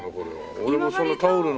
俺もそんなタオルの。